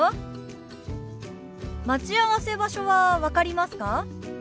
待ち合わせ場所は分かりますか？